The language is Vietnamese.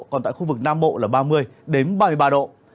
còn tại khu vực nam bộ là ba mươi ba mươi ba độ